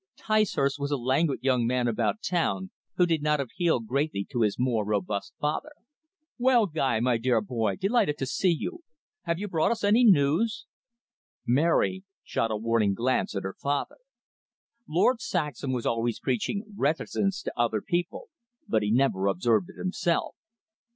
Ticehurst was a languid young man about town, who did not appeal greatly to his more robust father. "Well, Guy, my dear boy, delighted to see you. Have you brought us any news?" Mary shot a warning glance at her father. Lord Saxham was always preaching reticence to other people, but he never observed it himself.